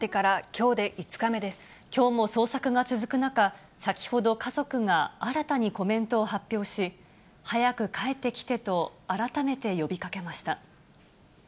きょうも捜索が続く中、先ほど、家族が新たにコメントを発表し、早く帰ってきてと、改めて呼びかけました。